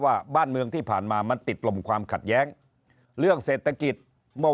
ว่าบ้านเมืองที่ผ่านมามันติดลมความขัดแย้งเรื่องเศรษฐกิจเมื่อ